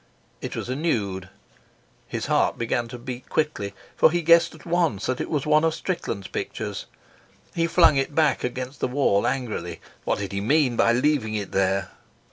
It was a nude. His heart began to beat quickly, for he guessed at once that it was one of Strickland's pictures. He flung it back against the wall angrily what did he mean by leaving it there?